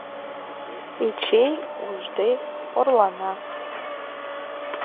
Эчей ужде орлана.